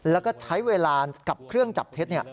แล้วก็ใช้เวลากับเครื่องจับเท็จ